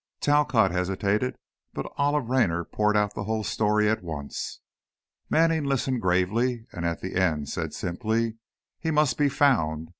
Talcott hesitated, but Olive Raynor poured out the whole story at once. Manning listened gravely, and at the end, said simply: "He must be found.